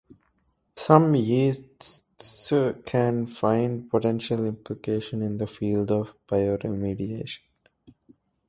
Some yeasts can find potential application in the field of bioremediation.